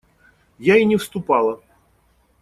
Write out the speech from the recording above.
Я и не вступала.